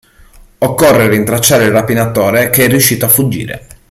Occorre rintracciare il rapinatore che è riuscito a fuggire.